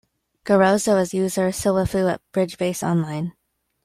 Garozzo is user "sillafu" at Bridge Base Online.